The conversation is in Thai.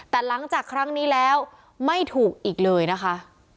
แต่หลังจากครั้งนี้แล้วไม่ถูกอีกเลยนะคะ